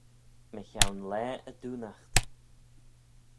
Mychione laa y doonaght.